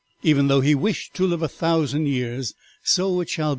Even though he wished to live a thousand years, so it shall be!'"